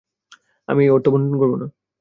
আমি এ অর্থ বণ্টন করব না।